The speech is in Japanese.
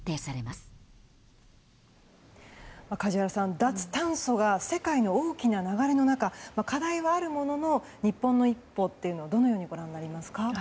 脱炭素が世界の大きな流れの中課題はあるものの日本の一歩というのはどのようにご覧になりますか。